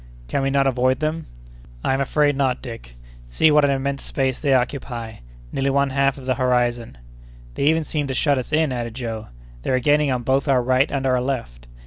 "Can we not avoid them?" "I am afraid not, Dick. See what an immense space they occupy—nearly one half of the horizon!" "They even seem to shut us in," added Joe. "They are gaining on both our right and our left."